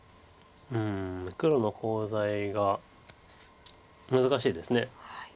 黒のコウ材が難しいです。